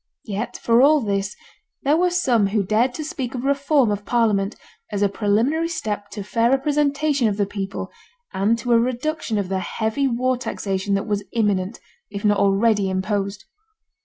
Yet for all this, there were some who dared to speak of reform of Parliament, as a preliminary step to fair representation of the people, and to a reduction of the heavy war taxation that was imminent, if not already imposed.